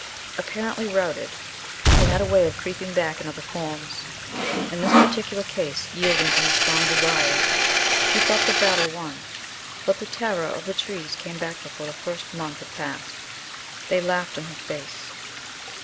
Apparently routed, it had a way of creeping back in other forms. In this particular case, yielding to his strong desire, she thought the battle won, but the terror of the trees came back before the first month had passed. They laughed in her face.